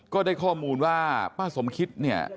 ก็ได้ข้อมูลว่าป้าสมคิดเนี่ย